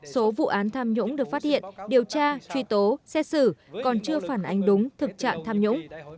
số vụ án tham nhũng được phát hiện điều tra truy tố xét xử còn chưa phản ánh đúng thực trạng tham nhũng